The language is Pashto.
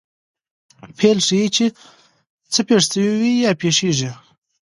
فعل ښيي، چي څه پېښ سوي دي یا پېښېږي.